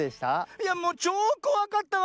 いやもうちょうこわかったわ！